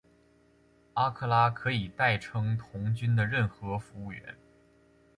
阿克拉可以代称童军的任何服务员。